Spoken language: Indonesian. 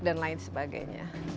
dan lain sebagainya